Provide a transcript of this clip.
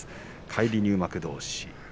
返り入幕どうし。